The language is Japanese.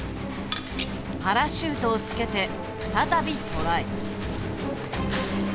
パラシュートをつけて再びトライ。